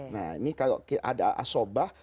nah ini kalau ada asobah